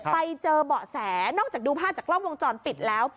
ไปเจอเบาะแสนอกจากดูภาพจากกล้องวงจรปิดแล้ว